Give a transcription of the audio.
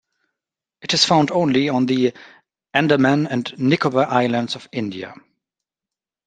It is found only on the Andaman and the Nicobar islands of India.